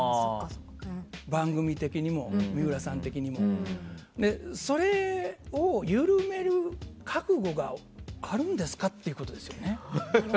番組的にも、水卜さん的にも。それを緩める覚悟があるんですかってことですよね。